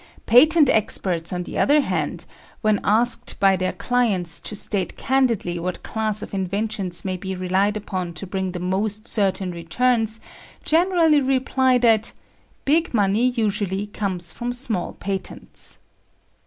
Patent experts, on the other hand, when asked by their clients to state candidly what class of inventions may be relied upon to bring the most certain returns, generally reply that "big money usually comes from small patents".